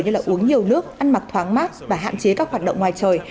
như là uống nhiều nước ăn mặc thoáng mát và hạn chế các hoạt động ngoài trời